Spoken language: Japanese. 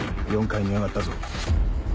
４階に上がったぞ。